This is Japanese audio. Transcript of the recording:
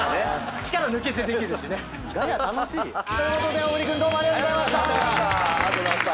力抜けてできるしね。ということで小栗君どうもありがとうございました！